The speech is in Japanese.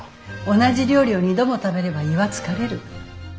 同じ料理を２度も食べれば胃は疲れる。